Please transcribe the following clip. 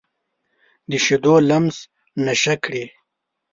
د شیدو لمس نشه کړي